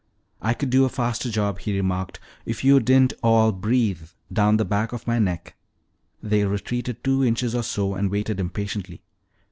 "I could do a faster job," he remarked, "if you didn't all breathe down the back of my neck." They retreated two inches or so and waited impatiently.